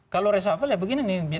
kalau reshuffle ya begini nih